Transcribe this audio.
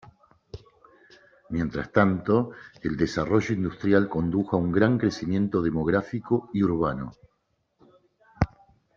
Mientras tanto, el desarrollo industrial condujo a un gran crecimiento demográfico y urbano.